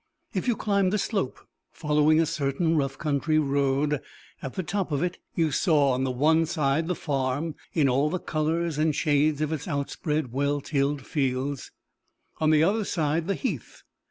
If you climbed the slope, following a certain rough country road, at the top of it you saw on the one side the farm, in all the colours and shades of its outspread, well tilled fields; on the other side, the heath.